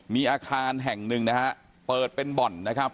มีอาคารแห่งหนึ่งนะฮะเปิดเป็นบ่อนนะครับ